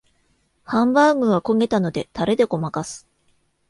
ハンバーグが焦げたのでタレでごまかす